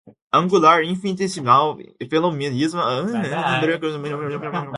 momentum linear, momentum angular, infinitesimal, fenomenologia, macro-áreas, modelagem, fenomenologia